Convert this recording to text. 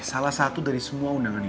salah satu dari semua undang undang ini